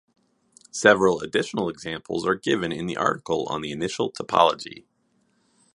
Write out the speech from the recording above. Several additional examples are given in the article on the initial topology.